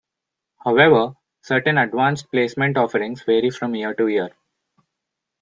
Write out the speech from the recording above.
However, certain Advanced Placement offerings vary from year to year.